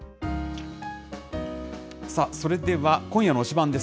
さあ、それでは今夜の推しバン！です。